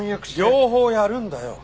両方やるんだよ。